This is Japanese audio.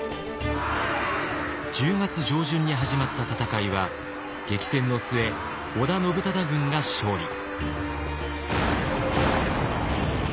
１０月上旬に始まった戦いは激戦の末織田信忠軍が勝利。